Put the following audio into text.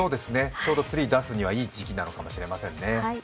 ちょうどツリーを出すにはいい時期なのかもしれませんね。